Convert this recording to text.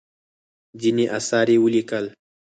ځینې اثار یې ولیکل.